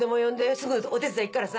すぐお手伝いに行くからさ。